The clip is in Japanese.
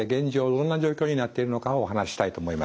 どんな状況になっているのかをお話ししたいと思います。